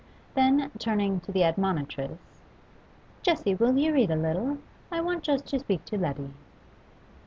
Then, turning to the admonitress, 'Jessie, will you read a little? I want just to speak to Letty.